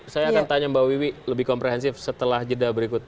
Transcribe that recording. saya akan tanya mbak wiwi lebih komprehensif setelah jeda berikut